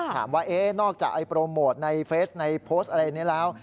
ถามว่านอกจากไอ้โปรโมทในเฟสในโพสต์อะไรอย่างนี้แล้ว